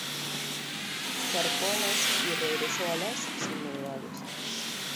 Zarpó a las y regresó a las sin novedades.